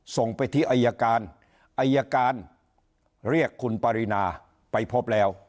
ส่งไปที่อายการอายการเรียกคุณปรินาไปพบแล้ว